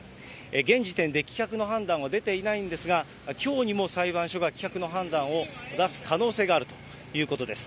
現時点で棄却の判断は出ていないんですが、きょうにも裁判所が棄却の判断を出す可能性があるということです。